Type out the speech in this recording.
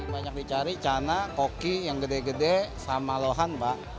banyak dicari cana koki yang gede gede sama lohan pak